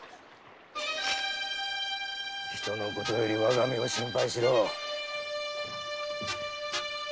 人のことより我が身を心配しろ！